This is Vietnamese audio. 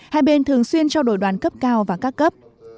hai bên thường xuyên trao đổi đoàn cấp cao và các cấp